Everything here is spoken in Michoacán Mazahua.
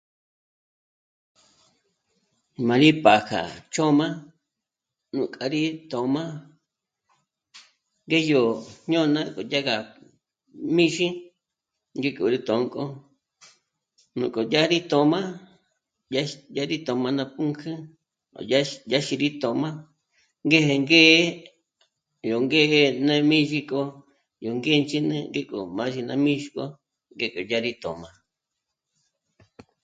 Má rí b'â'a k'a ch'ö̌m'a nuk'a rí tö̌m'a ngéjyo ñôna k'o yá gá míxi ngék'o rí tō̌nk'o, k'o dyarí tö̌m'a yäx... yá rí tóma ná pǔnk'ü, o yáx... yá xí rí tö̌m'a ngéje ngé'e, yó ngéje ná mǐzhik'o yó ngénch'èn'e ngék'o mádyi ná mǐzhgö ngék'o dyá rí tö̌m'a